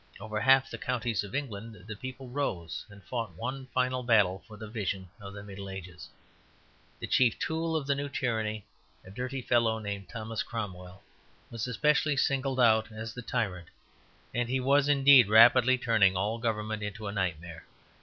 Over half the counties of England the people rose, and fought one final battle for the vision of the Middle Ages. The chief tool of the new tyranny, a dirty fellow named Thomas Cromwell, was specially singled out as the tyrant, and he was indeed rapidly turning all government into a nightmare.